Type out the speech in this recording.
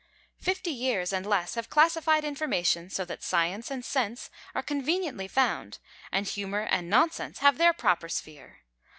Fifty years and less have classified information so that science and sense are conveniently found, and humor and nonsense have their proper sphere.